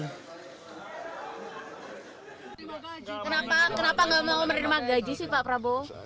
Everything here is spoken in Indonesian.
kenapa gak mau menerima gaji sih pak prabowo